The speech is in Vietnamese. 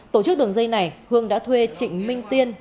tổ chức đường dây này hương đã thuê trịnh minh tiên